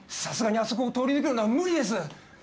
さすがにあそこを通り抜けるのは無理です。